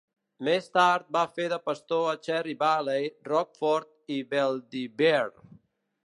Més tard va fer de pastor a Cherry Valley, Rockford i Belvidere.